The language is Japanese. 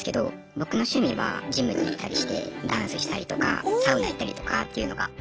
僕の趣味はジムに行ったりしてダンスしたりとかサウナ行ったりとかっていうのが。